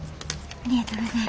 ありがとうございます。